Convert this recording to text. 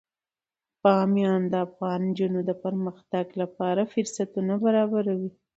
بامیان د افغان نجونو د پرمختګ لپاره فرصتونه برابروي.